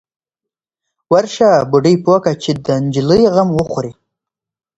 _ورشه، بوډۍ پوه که چې د نجلۍ غم وخوري.